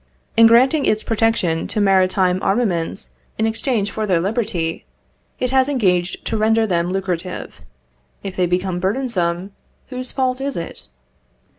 In granting its protection to maritime armaments in exchange for their liberty, it has engaged to render them lucrative; if they become burdensome, whose fault is it?